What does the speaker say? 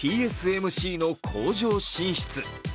ＴＳＭＣの工場進出。